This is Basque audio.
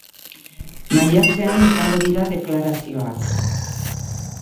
Maiatzean izango dira deklarazioak.